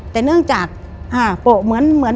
แต่เนื่องจากโปะเหมือน